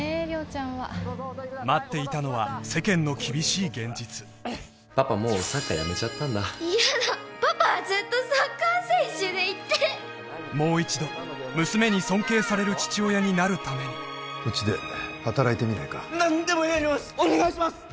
亮ちゃんは待っていたのはパパもうサッカーやめちゃったんだ嫌だパパはずっとサッカー選手でいてもう一度娘に尊敬される父親になるためにうちで働いてみないか何でもやりますお願いします！